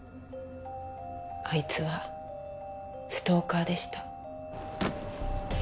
あいつはストーカーでした。